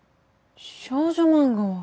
少女漫画は？